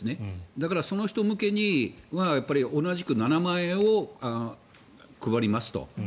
だからその人向けには同じく７万円を配りますと。